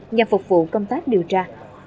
nhằm phục vụ công tác điều tra